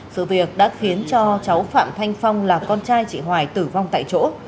sự việc đã khiến cho cháu phạm thanh phong là con trai chị hoài tử vong tại chỗ